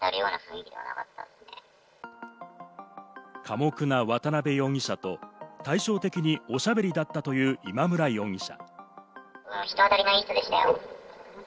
寡黙な渡辺容疑者と、対照的に、おしゃべりだったという今村容疑者。